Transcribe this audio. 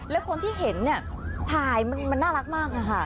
แล้วคนที่เห็นเนี่ยถ่ายมันน่ารักมาก